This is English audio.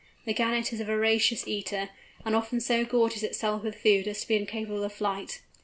The Gannet is a voracious eater, and often so gorges itself with food as to be incapable of flight.